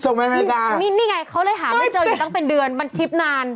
นี่ไงเขาเลยหาไม่เจออยู่ตั้งเป็นเดือนบันชิบนาน